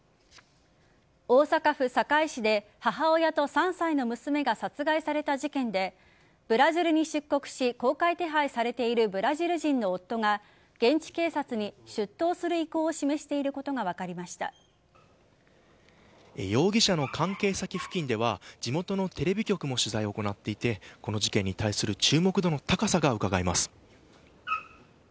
大阪府堺市で母親と３歳の娘が殺害された事件でブラジルに出国し公開手配されているブラジル人の夫が現地警察に出頭する意向を示していることが容疑者の関係先付近では地元のテレビ局も取材を行っていてこの事件に対する注目度の高さがうかがえます。